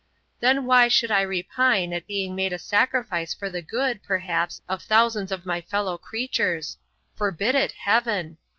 Then why should I repine at being made a sacrifice for the good, perhaps, of thousands of my fellow creatures; forbid it, Heaven!